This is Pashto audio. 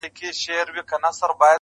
چي توري څڼي پرې راوځړوې~